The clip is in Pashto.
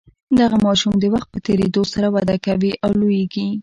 دغه ماشوم د وخت په تیریدو سره وده کوي او لوییږي.